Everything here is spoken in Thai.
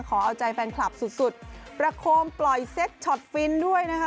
ขอเอาใจแฟนคลับสุดประโคมปล่อยเซ็กช็อตฟินด้วยนะคะ